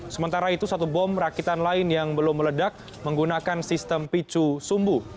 sementara itu satu bom rakitan lain yang belum meledak menggunakan sistem picu sumbu